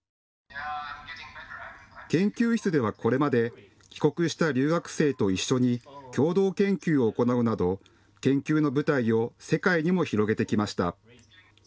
研究室ではこれまで帰国した留学生と一緒に共同研究を行うなど研究の舞台を世界にも広げてきました。